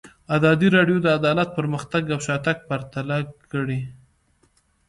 ازادي راډیو د عدالت پرمختګ او شاتګ پرتله کړی.